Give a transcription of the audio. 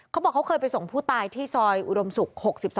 เขาบอกเขาเคยไปส่งผู้ตายที่ซอยอุดมศุกร์๖๒